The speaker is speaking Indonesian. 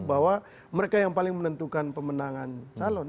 bahwa mereka yang paling menentukan pemenangan calon